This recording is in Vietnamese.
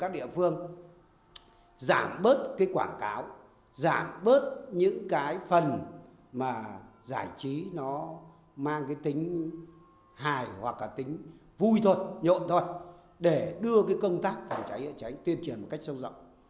để giảm bớt quảng cáo giảm bớt những phần giải trí mang tính hài hoặc tính vui thôi nhộn thôi để đưa công tác phòng cháy chữa cháy tuyên truyền một cách sâu rộng